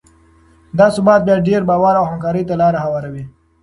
دا ثبات بیا ډیر باور او همکارۍ ته لاره هواروي.